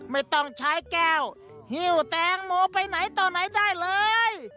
ไม่ต้องใช้แก้วหิ้วแตงโมไปไหนต่อไหนได้เลย